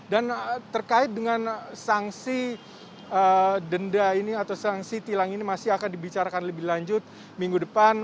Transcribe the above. dan terkait dengan sanksi denda ini atau sanksi tilang ini masih akan dibicarakan lebih lanjut minggu depan